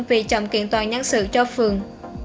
vì chậm kiện toàn nhân sự cho phường